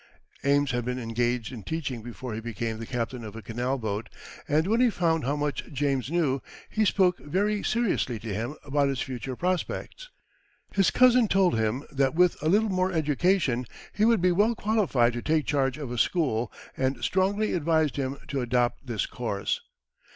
Amos had been engaged in teaching before he became the captain of a canal boat, and when he found how much James knew, he spoke very seriously to him about his future prospects. His cousin told him that with a little more education he would be well qualified to take charge of a school, and strongly advised him to adopt this course.